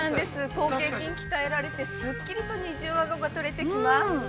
広頚筋鍛えられてすっきりと二重あごが取れてきます。